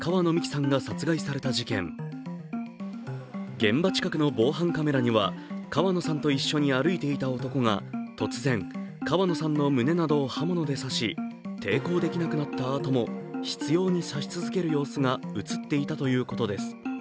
現場近くの防犯カメラには川野さんと一緒に歩いていた男が突然、川野さんの胸などを刃物で刺し抵抗できなくなったあとも執ように刺し続ける様子が映っていたということです。